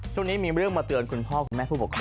ช่วงนี้มีเรื่องมาเตือนคุณพ่อคุณแม่ผู้ปกครอง